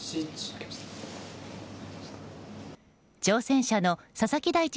挑戦者の佐々木大地